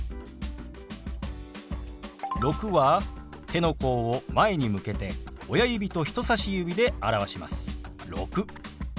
「６」は手の甲を前に向けて親指と人さし指で表します。